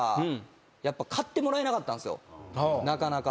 なかなか。